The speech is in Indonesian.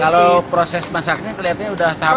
kalau proses masaknya kelihatannya sudah tahapan yang baik